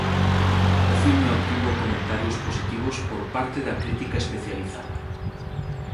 O filme obtivo comentarios positivos por parte da crítica especializada.